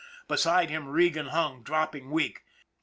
Beside him Regan hung, dropping weak.